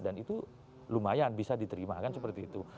dan itu lumayan bisa diterima seperti itu